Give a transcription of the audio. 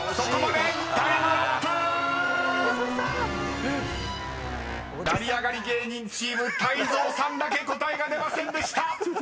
［成り上がり芸人チーム泰造さんだけ答えが出ませんでした］